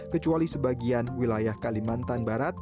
kecuali sebagian wilayah kalimantan barat